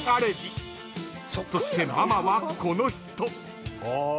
［そしてママはこの人］